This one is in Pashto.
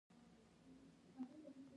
یوه هلک خپل څادر د مخې شيشې ته برابر کړ.